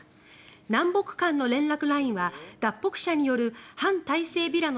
南北間の連絡ラインは脱北者による反体制ビラの